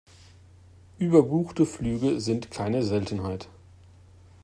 Überbuchte Flüge sind keine Seltenheit.